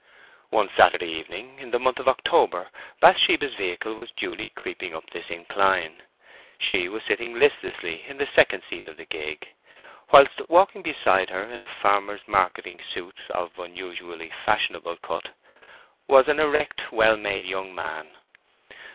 One Saturday evening in the month of October Bathsheba's vehicle was duly creeping up this incline. She was sitting listlessly in the second seat of the gig, whilst walking beside her in a farmer's marketing suit of unusually fashionable cut was an erect, well made young man.